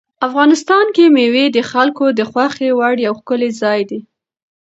افغانستان کې مېوې د خلکو د خوښې وړ یو ښکلی ځای دی.